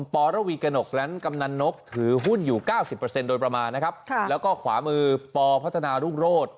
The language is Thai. ปรวีกระหนกนั้นกำนันนกถือหุ้นอยู่๙๐โดยประมาณนะครับแล้วก็ขวามือปพัฒนารุ่งโรธ